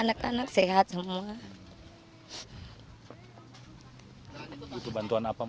anak anak sehat semua